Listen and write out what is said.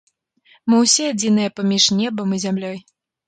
Мы ўсе адзіныя паміж небам і зямлёй.